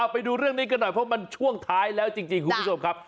ไปดูเรื่องนี้กันหน่อยเพราะมันช่วงท้ายแล้วจริงคุณผู้ชมครับ